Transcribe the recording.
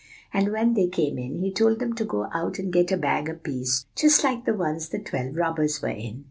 And when they came in, he told them to go out and get a bag apiece, just like the ones the twelve robbers were in.